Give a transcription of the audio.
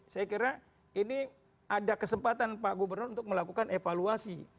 saya kira ini ada kesempatan pak gubernur untuk melakukan evaluasi